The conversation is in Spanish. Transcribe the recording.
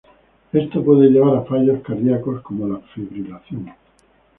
Esto puede llevar a fallos cardíacos como la fibrilación.